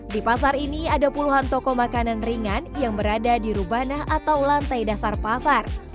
di pasar ini ada puluhan toko makanan ringan yang berada di rubanah atau lantai dasar pasar